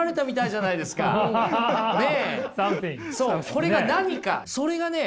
これが何かそれがね